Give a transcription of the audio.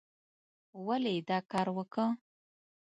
ولې یې دا کار وکه؟